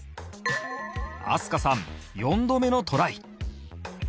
飛鳥さん４度目のトライ